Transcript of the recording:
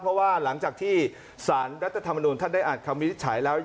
เพราะว่าหลังจากที่สารรัฐธรรมนุนท่านได้อ่านคำวินิจฉัยแล้ว